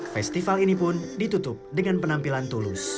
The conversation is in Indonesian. festival ini pun ditutup dengan penampilan tulus